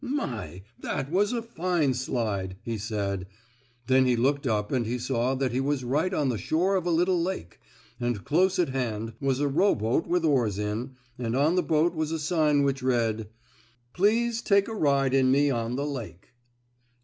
"My! That was a fine slide," he said. Then he looked up and he saw that he was right on the shore of a little lake, and close at hand was a rowboat with oars in, and on the boat was a sign which read: "PLEASE TAKE A RIDE IN ME ON THE LAKE."